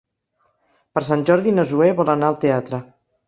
Per Sant Jordi na Zoè vol anar al teatre.